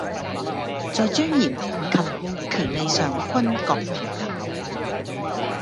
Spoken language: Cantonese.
在尊嚴及權利上均各平等